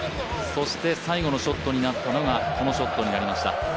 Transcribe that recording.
最後のショットになったのがこのショットになりました。